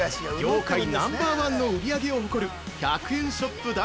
◆業界ナンバーワンの売り上げを誇る１００円ショップ